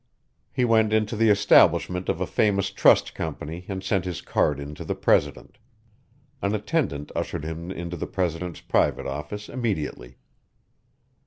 He went into the establishment of a famous trust company and sent his card in to the president. An attendant ushered him into the president's private office immediately.